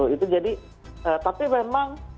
itu jadi tapi memang